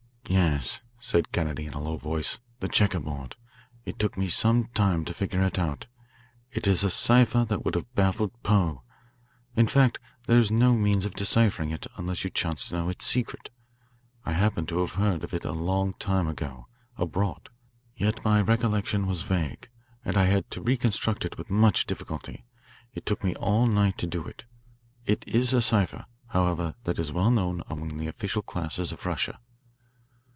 "Yes," said Kennedy in a low tone, "the checkerboard. It took me some time to figure it out. It is a cipher that would have baffled Poe. In fact, there is no means of deciphering it unless you chance to know its secret. I happened to have heard of it a long time ago abroad, yet my recollection was vague, and I had to reconstruct it with much difficulty. It took me all night to do it. It is a cipher, however, that is well known among the official classes of Russia.